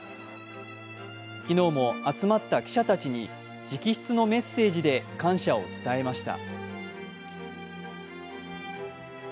昨日も集まった記者たちに直筆のメッセージで感謝を伝えました。